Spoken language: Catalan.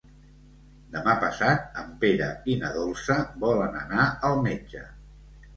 Demà passat en Pere i na Dolça volen anar al metge.